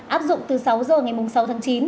áp dụng từ sáu h ngày sáu tháng chín